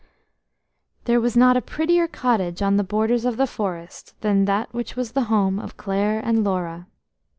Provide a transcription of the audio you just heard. ERE was not a prettier cottage on the borders of the forest than that which was the home of Clare and Laura.